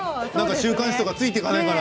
週刊誌とかがついていかないかな。